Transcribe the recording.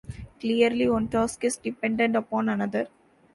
Clearly one task is dependent upon another.